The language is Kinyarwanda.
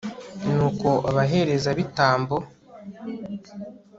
nuko abaherezabitambo